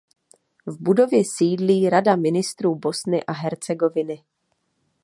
V budově sídlí Rada ministrů Bosny a Hercegoviny.